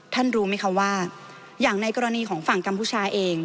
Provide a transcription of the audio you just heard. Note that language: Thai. รู้ไหมคะว่าอย่างในกรณีของฝั่งกัมพูชาเอง